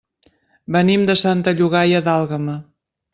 Venim de Santa Llogaia d'Àlguema.